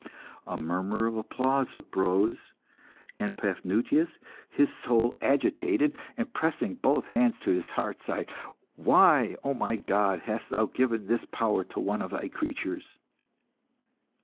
A murmur of applause uprose, and Paphnutius, his soul agitated, and pressing both hands to his heart, sighed "Why, O my God, hast thou given this power to one of Thy creatures?"